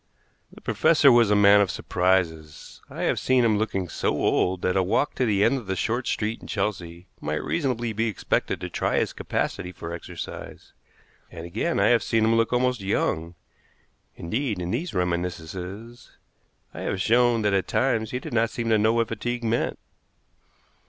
The professor was a man of surprises. I have seen him looking so old that a walk to the end of the short street in Chelsea might reasonably be expected to try his capacity for exercise; and, again, I have seen him look almost young; indeed, in these reminiscences I have shown that at times he did not seem to know what fatigue meant.